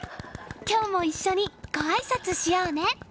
今日も一緒にごあいさつしようね。